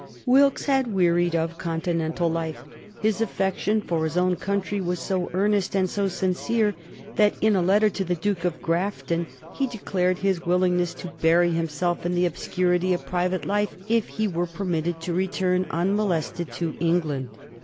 Wilkes had wearied of Continental life. His affection for his own country was so earnest and so sincere that, in a letter to the Duke of Grafton, he declared his willingness to bury himself in the obscurity of private life, if he were permitted to return unmolested to England.